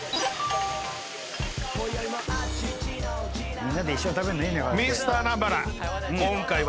みんなで一緒に食べんのいいね